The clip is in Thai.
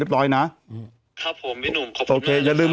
ครับผมพี่หนุ่มขอบคุณมากครับ